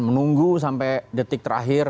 menunggu sampai detik terakhir